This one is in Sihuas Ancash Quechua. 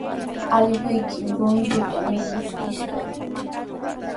Allquykimi runtuta mikuskishqa.